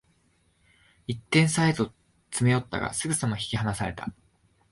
一点差へと詰め寄ったが、すぐさま引き離された